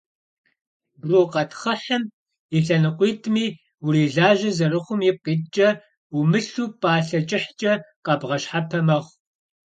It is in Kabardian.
Брукъэтхъыхьым и лъэныкъуитӏми урилажьэ зэрыхъум ипкъ иткӏэ, умылъу пӏалъэ кӏыхькӏэ къэбгъэщхьэпэ мэхъу.